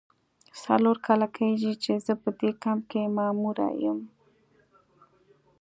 څلور کاله کیږي چې زه په دې کمپ کې ماموره یم.